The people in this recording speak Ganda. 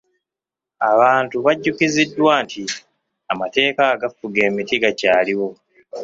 Abantu bajjukiziddwa nti amateeka agafuga emiti gakyaliwo.